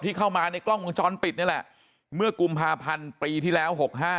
เข้ามาในกล้องวงจรปิดนี่แหละเมื่อกุมภาพันธ์ปีที่แล้ว๖๕